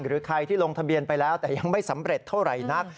หรือใครที่ลงทะเบียนไปแล้วแต่ยังไม่สำเร็จเท่าไหร่นัก